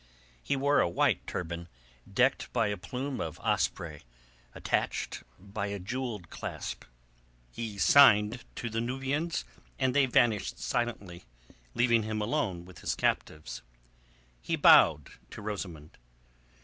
He wore a white turban decked by a plume of osprey attached by a jewelled clasp. He signed to the Nubians and they vanished silently, leaving him alone with his captives. He bowed to Rosamund.